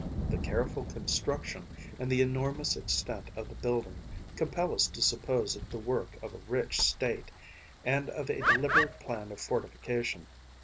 The careful construction and the enormous extent of the building compel us to suppose it the work of a rich state, and of a deliberate plan of fortification.